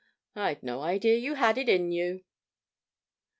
I'd no idea you had it in you.'